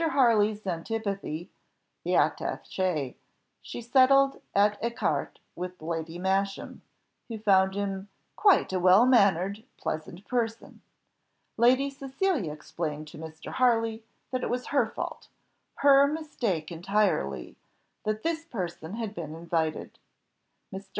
Harley's antipathy, the attaché, she settled at ecartê with Lady Masham, who found him "quite a well mannered, pleasant person." Lady Cecilia explained to Mr. Harley, that it was her fault her mistake entirely that this person had been invited. Mr.